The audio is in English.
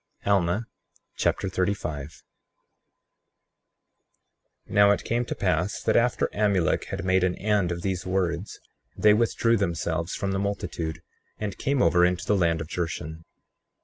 Alma Chapter 35 35:1 Now it came to pass that after Amulek had made an end of these words, they withdrew themselves from the multitude and came over into the land of Jershon.